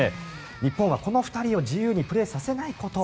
日本はこの２人を自由にプレーさせないこと。